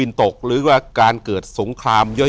อยู่ที่แม่ศรีวิรัยิลครับ